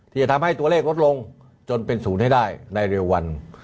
ที่จะทำให้ตัวเลขลดลงจนเป็นศูนย์ให้ได้ในเร็ววัน